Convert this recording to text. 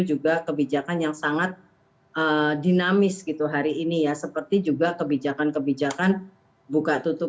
juga kebijakan yang sangat dinamis gitu hari ini ya seperti juga kebijakan kebijakan buka tutup